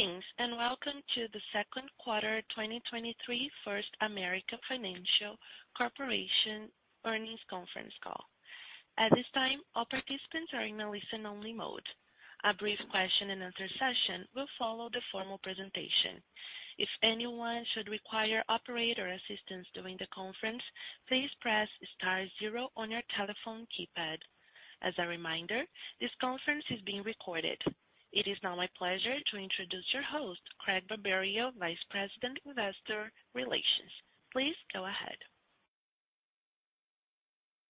Greetings, welcome to the Q2 2023 First American Financial Corporation earnings conference call. At this time, all participants are in a listen-only mode. A brief question-and-answer session will follow the formal presentation. If anyone should require operator assistance during the conference, please press star zero on your telephone keypad. As a reminder, this conference is being recorded. It is now my pleasure to introduce your host, Craig Barberio, Vice President, Investor Relations. Please go ahead.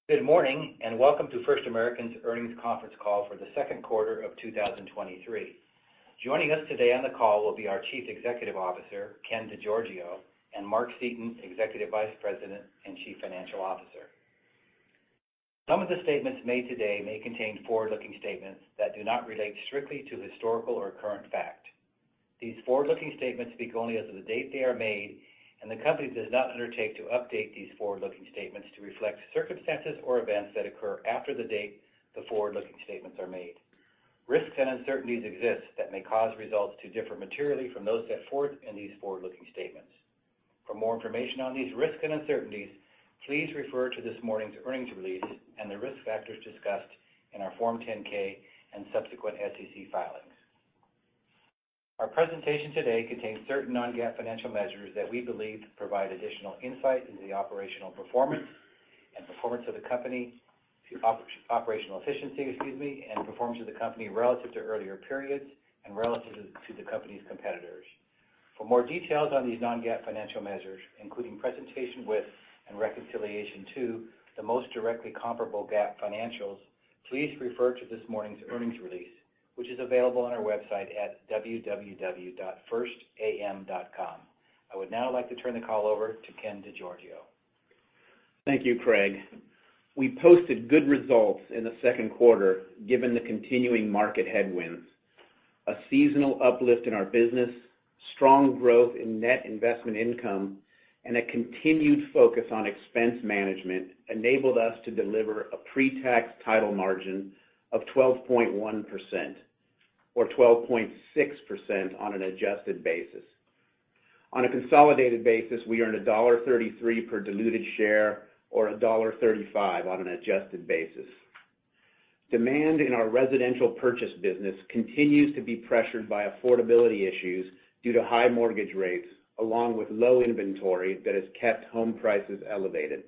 Good morning, and welcome to First American's earnings conference call for the Q2 of 2023. Joining us today on the call will be our Chief Executive Officer, Ken DeGiorgio, and Mark Seaton, Executive Vice President and Chief Financial Officer. Some of the statements made today may contain forward-looking statements that do not relate strictly to historical or current fact. These forward-looking statements speak only as of the date they are made, and the Company does not undertake to update these forward-looking statements to reflect circumstances or events that occur after the date the forward-looking statements are made. Risks and uncertainties exist that may cause results to differ materially from those set forth in these forward-looking statements. For more information on these risks and uncertainties, please refer to this morning's earnings release and the risk factors discussed in our Form 10-K and subsequent SEC filings. Our presentation today contains certain non-GAAP financial measures that we believe provide additional insight into the operational performance and performance of the company. Operational efficiency, excuse me, and performance of the company relative to earlier periods and relative to the company's competitors. For more details on these non-GAAP financial measures, including presentation with and reconciliation to the most directly comparable GAAP financials, please refer to this morning's earnings release, which is available on our website at www.firstam.com. I would now like to turn the call over to Ken DeGiorgio. Thank you, Craig. We posted good results in the Q2, given the continuing market headwinds. A seasonal uplift in our business, strong growth in net investment income, and a continued focus on expense management enabled us to deliver a pretax title margin of 12.1%, or 12.6% on an adjusted basis. On a consolidated basis, we earned $1.33 per diluted share or $1.35 on an adjusted basis. Demand in our residential purchase business continues to be pressured by affordability issues due to high mortgage rates, along with low inventory that has kept home prices elevated.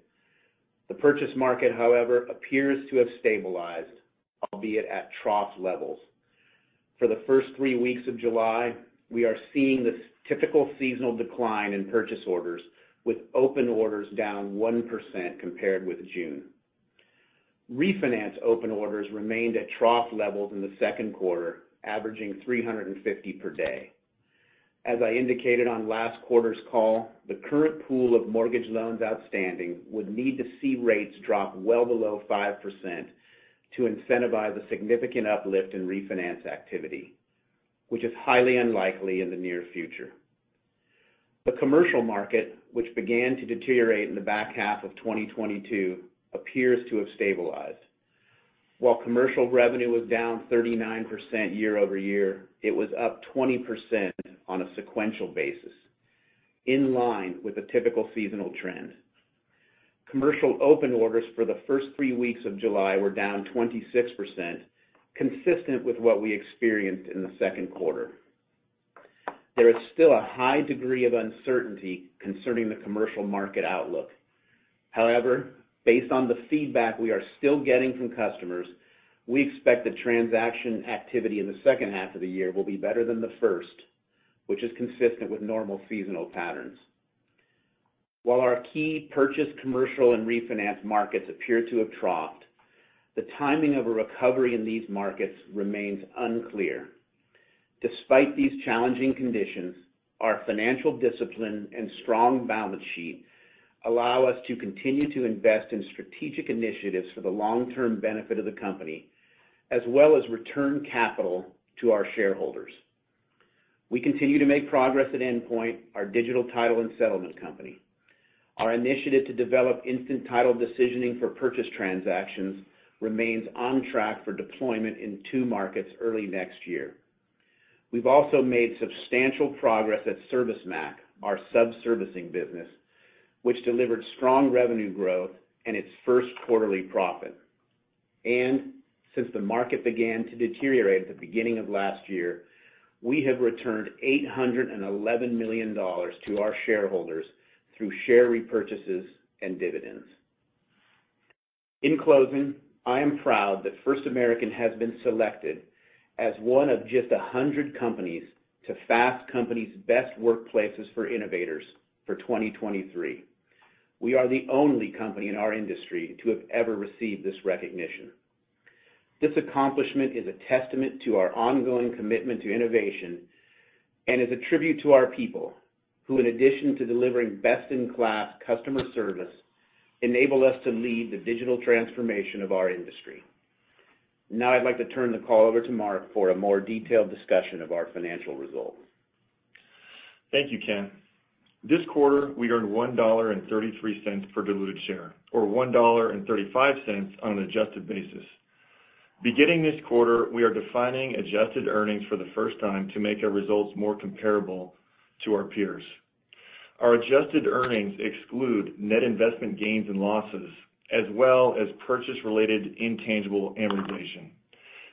The purchase market, however, appears to have stabilized, albeit at trough levels. For the first three weeks of July, we are seeing the typical seasonal decline in purchase orders, with open orders down 1% compared with June. Refinance open orders remained at trough levels in the Q2, averaging 350 per day. As I indicated on last quarter's call, the current pool of mortgage loans outstanding would need to see rates drop well below 5% to incentivize a significant uplift in refinance activity, which is highly unlikely in the near future. The commercial market, which began to deteriorate in the back half of 2022, appears to have stabilized. While commercial revenue was down 39% year-over-year, it was up 20% on a sequential basis, in line with the typical seasonal trend. Commercial open orders for the first three weeks of July were down 26%, consistent with what we experienced in the Q2. There is still a high degree of uncertainty concerning the commercial market outlook. Based on the feedback we are still getting from customers, we expect that transaction activity in the H2 will be better than the first, which is consistent with normal seasonal patterns. Our key purchase, commercial, and refinance markets appear to have troughed, the timing of a recovery in these markets remains unclear. Despite these challenging conditions, our financial discipline and strong balance sheet allow us to continue to invest in strategic initiatives for the long-term benefit of the company, as well as return capital to our shareholders. We continue to make progress at Endpoint, our digital title and settlement company. Our initiative to develop instant title decisioning for purchase transactions remains on track for deployment in two markets early next year. We've also made substantial progress at ServiceMac, our sub-servicing business, which delivered strong revenue growth and its Q1 profit. Since the market began to deteriorate at the beginning of last year, we have returned $811 million to our shareholders through share repurchases and dividends. In closing, I am proud that First American has been selected as one of just 100 companies to Fast Company's Best Workplaces for Innovators for 2023. We are the only company in our industry to have ever received this recognition. This accomplishment is a testament to our ongoing commitment to innovation and is a tribute to our people, who, in addition to delivering best-in-class customer service, enable us to lead the digital transformation of our industry. I'd like to turn the call over to Mark for a more detailed discussion of our financial results. Thank you, Ken. This quarter, we earned $1.33 per diluted share, or $1.35 on an adjusted basis. Beginning this quarter, we are defining adjusted earnings for the first time to make our results more comparable to our peers. Our adjusted earnings exclude net investment gains and losses, as well as purchase-related intangible amortization.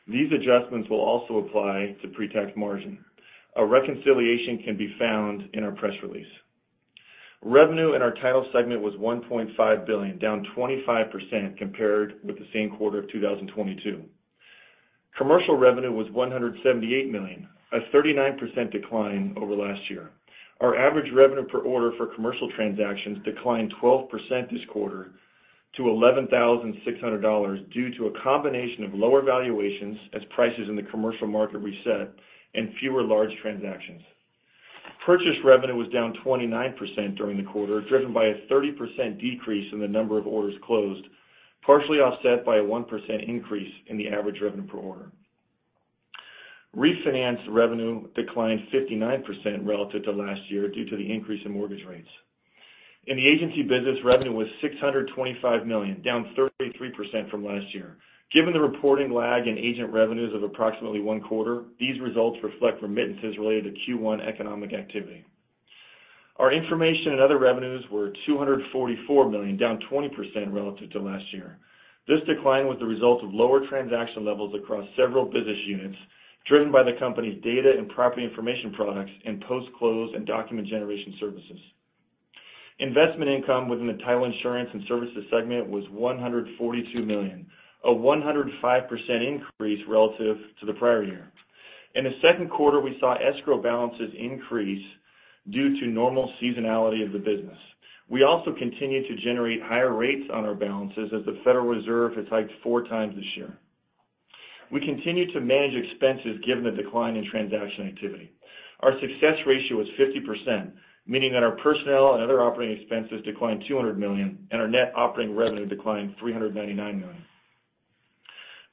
These adjustments will also apply to pretax margin. A reconciliation can be found in our press release. Revenue in our title segment was $1.5 billion, down 25% compared with the same quarter of 2022. Commercial revenue was $178 million, a 39% decline over last year. Our average revenue per order for commercial transactions declined 12% this quarter to $11,600 due to a combination of lower valuations as prices in the commercial market reset and fewer large transactions. Purchase revenue was down 29% during the quarter, driven by a 30% decrease in the number of orders closed, partially offset by a 1% increase in the average revenue per order. Refinance revenue declined 59% relative to last year due to the increase in mortgage rates. In the agency business, revenue was $625 million, down 33% from last year. Given the reporting lag in agent revenues of approximately Q1, these results reflect remittances related to Q1 economic activity. Our information and other revenues were $244 million, down 20% relative to last year. This decline was the result of lower transaction levels across several business units, driven by the company's data and property information products, and post-close and document generation services. Investment income within the title insurance and services segment was $142 million, a 105% increase relative to the prior year. In the Q2, we saw escrow balances increase due to normal seasonality of the business. We also continued to generate higher rates on our balances as the Federal Reserve has hiked four times this year. We continued to manage expenses given the decline in transaction activity. Our success ratio was 50%, meaning that our personnel and other operating expenses declined $200 million, and our net operating revenue declined $399 million.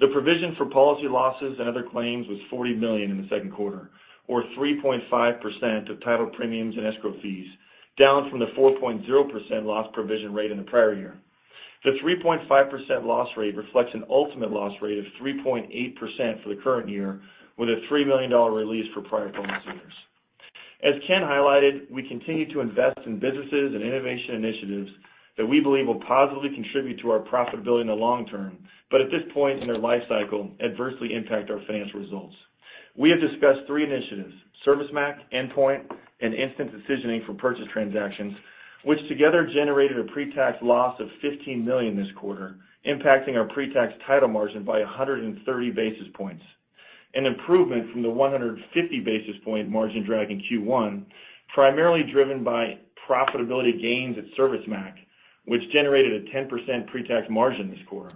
The provision for policy losses and other claims was $40 million in the Q2, or 3.5% of title premiums and escrow fees, down from the 4.0% loss provision rate in the prior year. The 3.5% loss rate reflects an ultimate loss rate of 3.8% for the current year, with a $3 million release for prior policy years. As Ken highlighted, we continue to invest in businesses and innovation initiatives that we believe will positively contribute to our profitability in the long term, but at this point in their life cycle, adversely impact our financial results. We have discussed three initiatives, ServiceMac, Endpoint, and instant decisioning for purchase transactions, which together generated a pretax loss of $15 million this quarter, impacting our pretax title margin by 130 basis points. An improvement from the 150 basis point margin drag in Q1, primarily driven by profitability gains at ServiceMac, which generated a 10% pretax margin this quarter.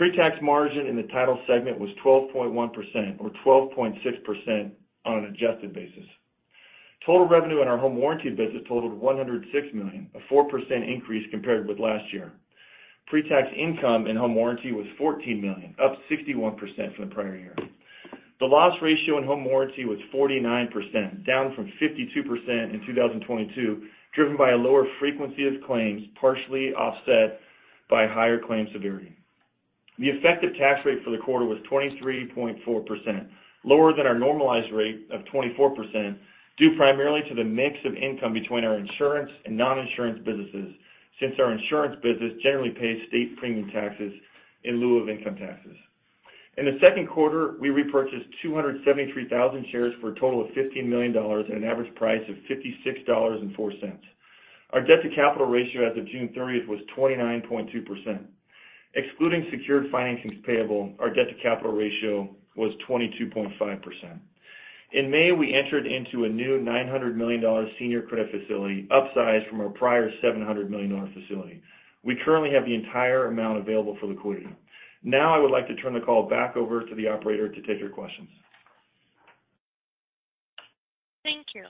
Pretax margin in the title segment was 12.1% or 12.6% on an adjusted basis. Total revenue in our home warranty business totaled $106 million, a 4% increase compared with last year. Pretax income in home warranty was $14 million, up 61% from the prior year. The loss ratio in home warranty was 49%, down from 52% in 2022, driven by a lower frequency of claims, partially offset by higher claim severity. The effective tax rate for the quarter was 23.4%, lower than our normalized rate of 24%, due primarily to the mix of income between our insurance and non-insurance businesses, since our insurance business generally pays state premium taxes in lieu of income taxes. In the Q2, we repurchased 273,000 shares for a total of $15 million at an average price of $56.04. Our debt-to-capital ratio as of June 30th was 29.2%. Excluding secured financings payable, our debt-to-capital ratio was 22.5%. In May, we entered into a new $900 million senior credit facility, upsized from our prior $700 million facility. We currently have the entire amount available for liquidity. Now, I would like to turn the call back over to the operator to take your questions. Thank you.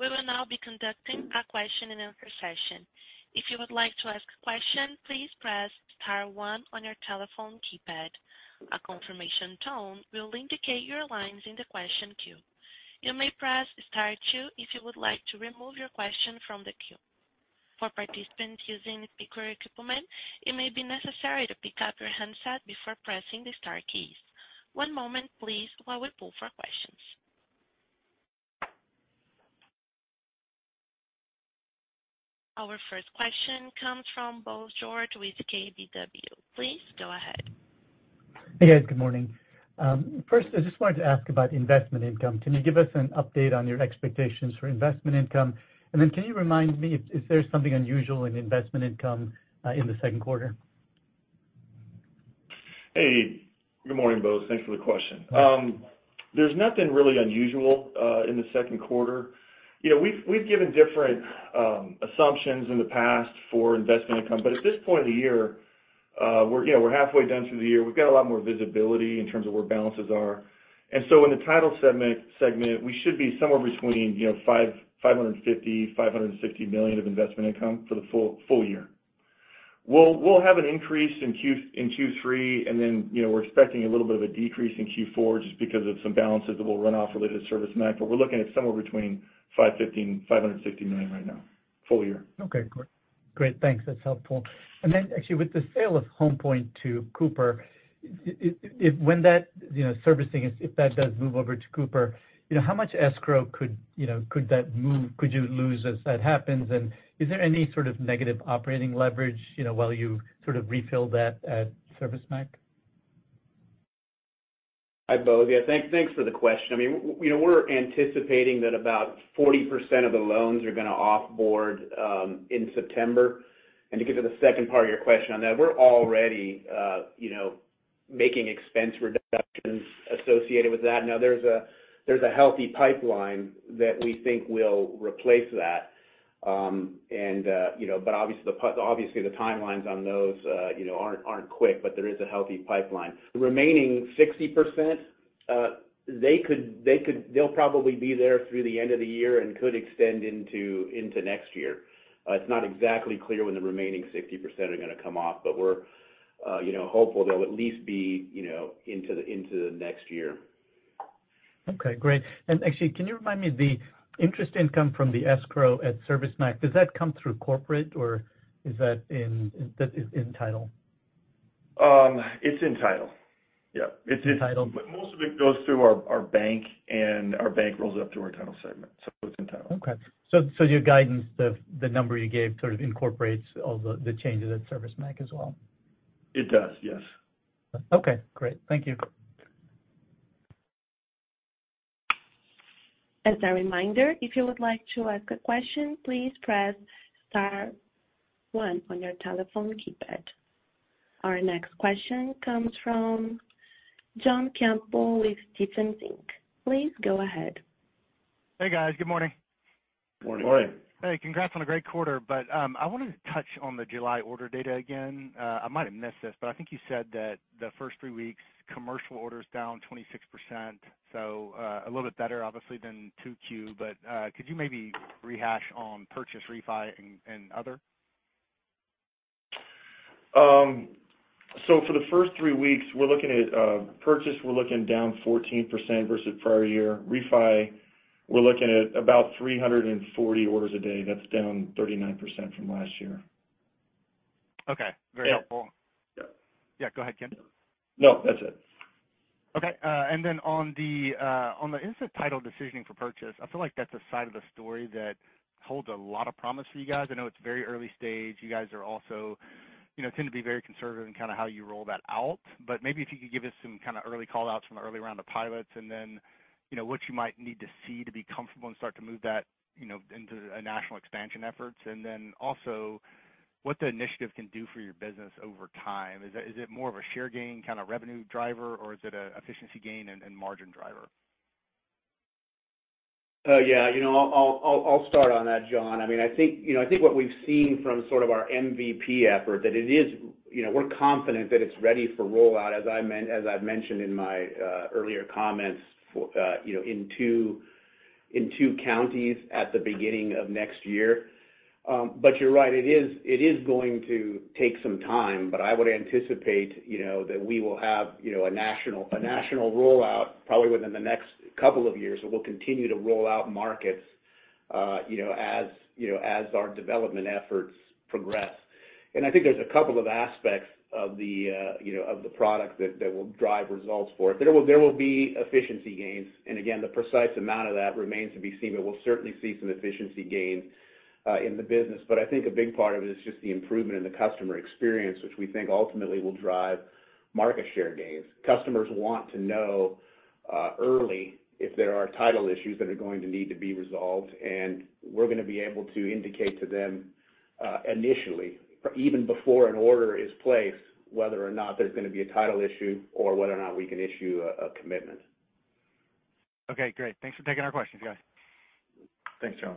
We will now be conducting a question and answer session. If you would like to ask a question, please press star one on your telephone keypad. A confirmation tone will indicate your line is in the question queue. You may press star two if you would like to remove your question from the queue. For participants using speaker equipment, it may be necessary to pick up your handset before pressing the star keys. One moment, please, while we pull for questions. Our first question comes from Bose George with KBW. Please go ahead. Hey, guys. Good morning. First, I just wanted to ask about investment income. Can you give us an update on your expectations for investment income? Can you remind me if there's something unusual in investment income, in the Q2? Hey, good morning, Bose. Thanks for the question. There's nothing really unusual in the Q2. You know, we've given different assumptions in the past for investment income. At this point in the year, you know, we're halfway done through the year. We've got a lot more visibility in terms of where balances are. In the title segment, we should be somewhere between, you know, $550 million-$560 million of investment income for the full year. We'll have an increase in Q3, you know, we're expecting a little bit of a decrease in Q4 just because of some balances that will run off related to ServiceMac. We're looking at somewhere between $515 million-$550 million right now, full year. Okay, great. Great, thanks. That's helpful. Actually, with the sale of Home Point to Cooper, when that, you know, servicing, if that does move over to Cooper, you know, how much escrow could, you know, could you lose as that happens? Is there any sort of negative operating leverage, you know, while you sort of refill that at ServiceMac? Hi, Bose, Yeah, thanks for the question. I mean, we know we're anticipating that about 40% of the loans are gonna off-board in September. To get to the second part of your question on that, we're already, you know, making expense reductions associated with that. Now, there's a healthy pipeline that we think will replace that. You know, obviously, the timelines on those, you know, aren't quick, but there is a healthy pipeline. The remaining 60%, they'll probably be there through the end of the year and could extend into next year. It's not exactly clear when the remaining 60% are gonna come off, but we're, you know, hopeful they'll at least be, you know, into the next year. Okay, great. Actually, can you remind me the interest income from the escrow at ServiceMac, does that come through corporate or is that in, that is in Title? It's in Title. Yep. In title. Most of it goes through our bank, and our bank rolls up to our Title segment, so it's in Title. Okay. Your guidance, the number you gave, sort of, incorporates all the changes at ServiceMac as well? It does, yes. Okay, great. Thank you. As a reminder, if you would like to ask a question, please press star one on your telephone keypad. Our next question comes from John Campbell with Stephens Inc. Please go ahead. Hey, guys. Good morning. Morning. Morning. Hey, congrats on a great quarter. I wanted to touch on the July order data again. I might have missed this, I think you said that the first three weeks, commercial order is down 26%, a little bit better, obviously, than Q2. Could you maybe rehash on purchase, refi, and other? For the first three weeks, we're looking at purchase, we're looking down 14% versus prior year. Refi, we're looking at about 340 orders a day, that's down 39% from last year. Okay. Yeah. Very helpful. Yeah. Yeah, go ahead, Ken. No, that's it. Okay, on the instant title decisioning for purchase, I feel like that's a side of the story that holds a lot of promise for you guys. I know it's very early stage. You guys are also, you know, tend to be very conservative in kind of how you roll that out. Maybe if you could give us some kind of early call-outs from the early round of pilots, and then, you know, what you might need to see to be comfortable and start to move that, you know, into a national expansion efforts. Also, what the initiative can do for your business over time? Is it more of a share gain, kind of, revenue driver, or is it a efficiency gain and margin driver? Yeah, you know, I'll start on that, John. I mean, I think, you know, I think what we've seen from sort of our MVP effort. You know, we're confident that it's ready for rollout, as I've mentioned in my earlier comments for, you know, in to two counties at the beginning of next year. You're right, it is going to take some time, but I would anticipate, you know, that we will have, you know, a national rollout probably within the next two years. We'll continue to roll out markets, you know, as our development efforts progress. I think there's two aspects of the, you know, of the product that will drive results for it. There will be efficiency gains, and again, the precise amount of that remains to be seen, but we'll certainly see some efficiency gains in the business. I think a big part of it is just the improvement in the customer experience, which we think ultimately will drive market share gains. Customers want to know early if there are title issues that are going to need to be resolved, and we're gonna be able to indicate to them initially, even before an order is placed, whether or not there's gonna be a title issue or whether or not we can issue a commitment. Okay, great. Thanks for taking our questions, guys. Thanks, John.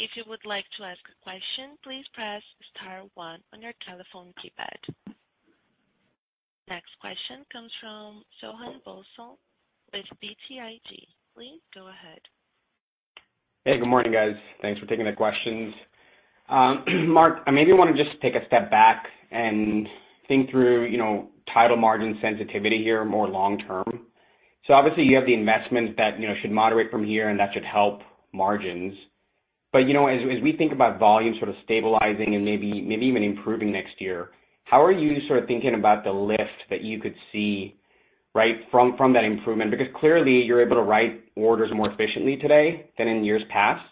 If you would like to ask a question, please press star one on your telephone keypad. Next question comes from Soham Bhonsle with BTIG. Please go ahead. Hey, good morning, guys. Thanks for taking the questions. Mark, I maybe want to just take a step back and think through, you know, title margin sensitivity here, more long term. Obviously, you have the investments that, you know, should moderate from here, and that should help margins. You know, as we think about volume sort of stabilizing and maybe even improving next year, how are you sort of thinking about the lift that you could see from that improvement? Clearly, you're able to write orders more efficiently today than in years past,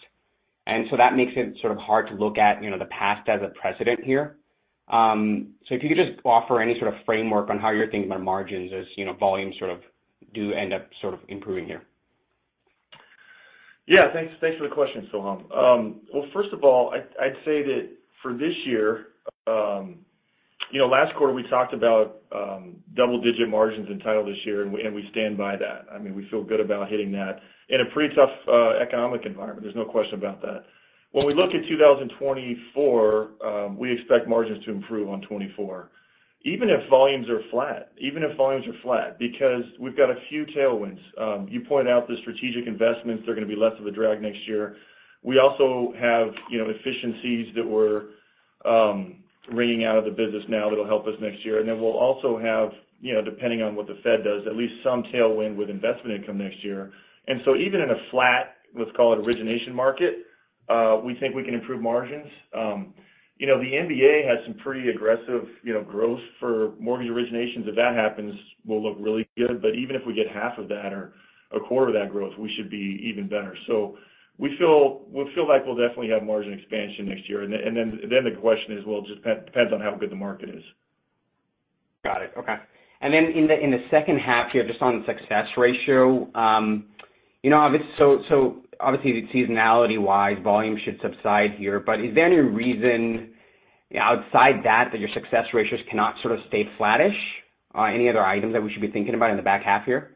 that makes it sort of hard to look at, you know, the past as a precedent here. If you could just offer any sort of framework on how you're thinking about margins as, you know, volumes do end up improving here. Yeah, thanks for the question, Soham. Well, first of all, I'd say that for this year, you know, last quarter we talked about double-digit margins in Title this year, and we stand by that. I mean, we feel good about hitting that in a pretty tough economic environment. There's no question about that. When we look at 2024, we expect margins to improve on 2024. Even if volumes are flat, because we've got a few tailwinds. You pointed out the strategic investments, they're gonna be less of a drag next year. We also have, you know, efficiencies that we're ringing out of the business now that'll help us next year. We'll also have, you know, depending on what the Fed does, at least some tailwind with investment income next year. Even in a flat, let's call it, origination market, we think we can improve margins. You know, the MBA has some pretty aggressive, you know, growth for mortgage originations. If that happens, we'll look really good. Even if we get half of that or a quarter of that growth, we should be even better. We feel like we'll definitely have margin expansion next year. The question is, well, just depends on how good the market is. Got it. Okay. In the, in the second half here, just on success ratio, you know, obviously, seasonality-wise, volume should subside here, but is there any reason outside that, that your success ratios cannot sort of stay flattish? Any other items that we should be thinking about in the back half here?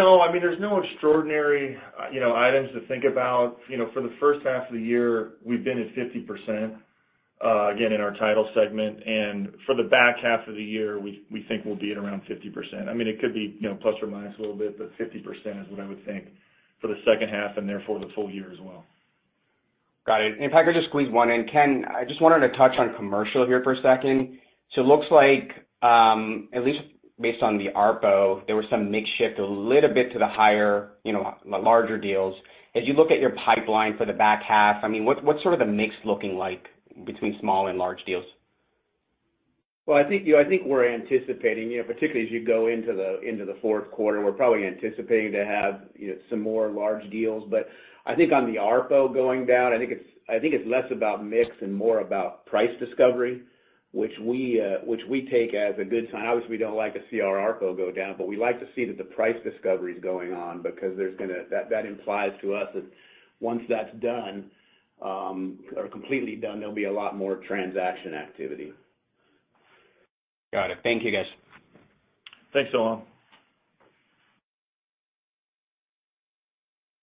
I mean, there's no extraordinary, you know, items to think about. For the H1, we've been at 50%, again, in our title segment, for the back half of the year, we think we'll be at around 50%. I mean, it could be, you know, plus or minus a little bit, 50% is what I would think for the second half therefore the full year as well. Got it. If I could just squeeze one in. Ken, I just wanted to touch on commercial here for a second. It looks like, at least based on the ARPO, there was some mix shift, a little bit to the higher, you know, larger deals. As you look at your pipeline for the back half, I mean, what's sort of the mix looking like between small and large deals? Well, I think, you know, I think we're anticipating, you know, particularly as you go into the, into the fourth quarter, we're probably anticipating to have, you know, some more large deals. I think on the ARPO going down, I think it's less about mix and more about price discovery, which we take as a good sign. Obviously, we don't like to see our ARPO go down. We like to see that the price discovery is going on because there's gonna that implies to us that once that's done, or completely done, there'll be a lot more transaction activity. Got it. Thank you, guys. Thanks, Soham.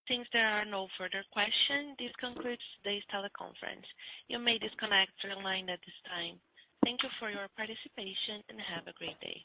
Since there are no further questions, this concludes today's teleconference. You may disconnect your line at this time. Thank you for your participation, and have a great day.